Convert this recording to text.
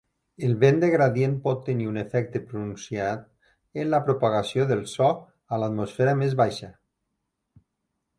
El vent de gradient pot tenir un efecte pronunciat en la propagació del so a l'atmosfera més baixa.